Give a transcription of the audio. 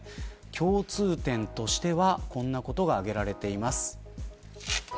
共通点としてはこんなことが挙げられています。